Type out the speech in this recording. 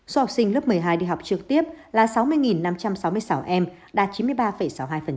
số học sinh lớp một mươi hai đi học trực tiếp là sáu mươi năm trăm sáu mươi sáu em đạt chín mươi ba sáu mươi hai